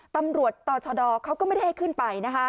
ตำรวจต่อชดเขาก็ไม่ได้ให้ขึ้นไป